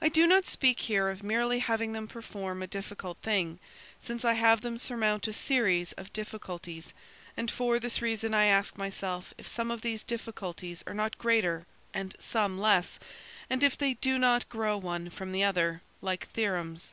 "I do not speak here of merely having them perform a difficult thing, since I have them surmount a series of difficulties and for this reason I ask myself if some of these difficulties are not greater and some less, and if they do not grow one from the other, like theorems.